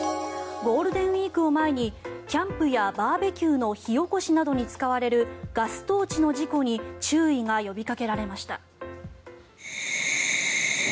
ゴールデンウィークを前にキャンプやバーベキューの火おこしなどに使われるガストーチの事故に注意が呼びかけられました。